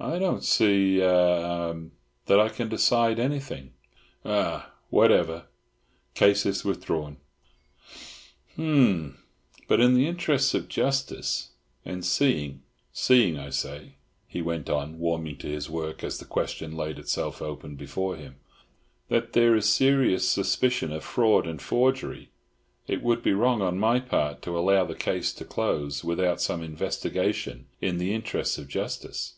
"I don't see—eh—um—that I can decide anything—ah—whatever. Case is withdrawn. Ha, hum. But in the interests of justice, and seeing—seeing, I say," he went on, warming to his work as the question laid itself open before him, "that there is serious suspicion of fraud and forgery, it would be wrong on my part to allow the case to close without some investigation in the interests of justice.